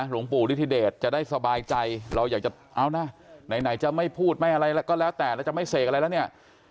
หลวงปู่ฤทธิเดชจะได้สบายใจเราอยากจะเอานะไหนจะไม่พูดไม่อะไรก็แล้วแต่แล้วจะไม่เสกอะไรแล้วเนี่ย